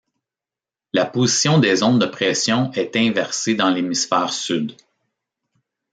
La position des zones de pressions est inversée dans l'hémisphère sud.